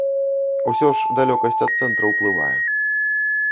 Усё ж далёкасць ад цэнтра ўплывае.